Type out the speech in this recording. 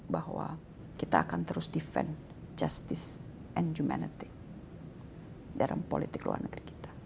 bahwa kita akan terus defend justice and humanity dalam politik luar negeri kita